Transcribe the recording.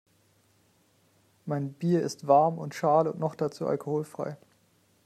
Mein Bier ist warm und schal und noch dazu alkoholfrei.